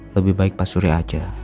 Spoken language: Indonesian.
lebih baik pak surya aja